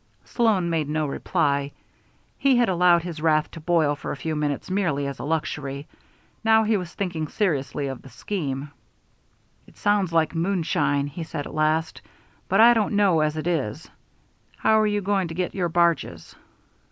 Sloan made no reply. He had allowed his wrath to boil for a few minutes merely as a luxury. Now he was thinking seriously of the scheme. "It sounds like moonshine," he said at last, "but I don't know as it is. How are you going to get your barges?"